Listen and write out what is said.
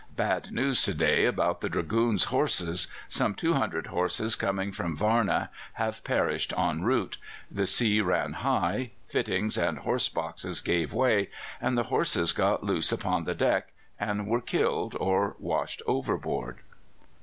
"Bad news to day about the Dragoons' horses. Some 200 horses coming from Varna have perished en route. The sea ran high: fittings and horse boxes gave way, and the horses got loose upon the deck, and were killed or washed overboard.